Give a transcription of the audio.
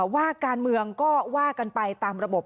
ว่าการเมืองก็ว่ากันไปตามระบบ